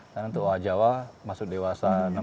dan untuk orang jawa masuk dewasa